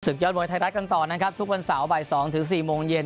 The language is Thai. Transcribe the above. ยอดมวยไทยรัฐกันต่อนะครับทุกวันเสาร์บ่าย๒๔โมงเย็น